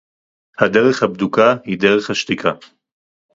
הַדֶּרֶךְ הַבְּדוּקָה הִיא דֶרֶךְ הַשְּׁתִיקָה.